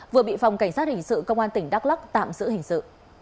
vừa bị phòng cảnh sát hình sự công an tỉnh đắk lắc tạm giữ hình sự